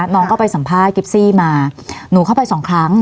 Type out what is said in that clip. น้องก็ไปสัมภาษณ์กิฟซี่มาหนูเข้าไปสองครั้ง